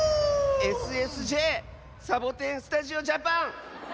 ＳＳＪサボテン・スタジオ・ジャパン！